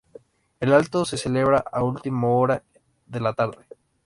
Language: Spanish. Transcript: El acto se celebra a última hora de la tarde.